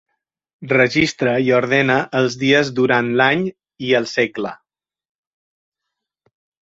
Registra i ordena els dies durant l'any i el segle.